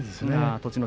栃ノ